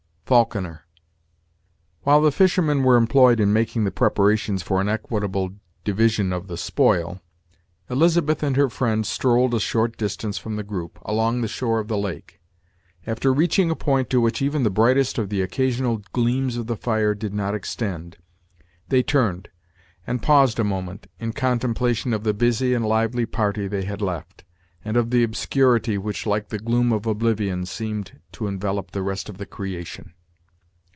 Falconer. While the fishermen were employed in making the preparations for an equitable division of the spoil, Elizabeth and her friend strolled a short distance from the group, along the shore of the lake. After reaching a point to which even the brightest of the occasional gleams of the fire did not extend, they turned, and paused a moment, in contemplation of the busy and lively party they had left, and of the obscurity which, like the gloom of oblivion, seemed to envelop the rest of the creation.